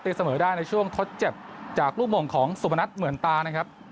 เสมอได้ในช่วงทดเจ็บจากลูกมงของสุพนัทเหมือนตานะครับ